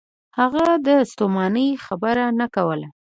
هغه د ستومنۍ خبره نه کوله.